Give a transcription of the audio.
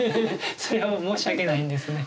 それは申し訳ないんですね。